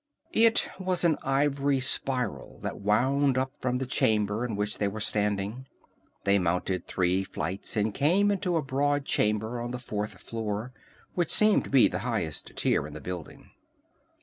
It was an ivory spiral that wound up from the chamber in which they were standing. They mounted three flights and came into a broad chamber on the fourth floor, which seemed to be the highest tier in the building.